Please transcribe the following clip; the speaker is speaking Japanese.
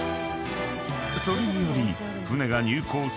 ［それにより］